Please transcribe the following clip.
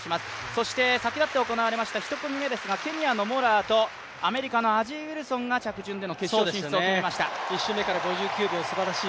そして先立って行われました１組目ですがケニアのモラアとアメリカのウィルソン選手が着順での決勝進出を決めました。